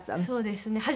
そうですね。